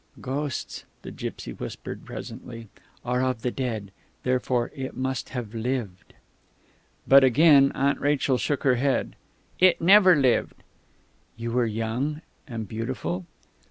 "Ghosts," the gipsy whispered presently, "are of the dead. Therefore it must have lived." But again Aunt Rachel shook her head. "It never lived." "You were young, and beautiful?..."